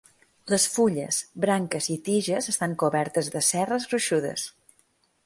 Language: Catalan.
Les fulles, branques i tiges estan cobertes de cerres gruixudes.